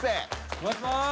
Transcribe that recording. お願いします。